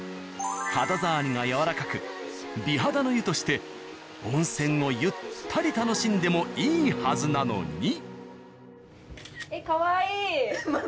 肌触りがやわらかく美肌の湯として温泉をゆったり楽しんでもいいはずなのに。